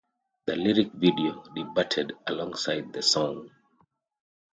The lyric video debuted alongside the song.